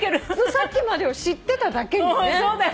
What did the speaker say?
さっきまでを知ってただけにね。